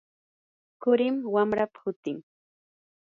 qurim wamrapa hutin.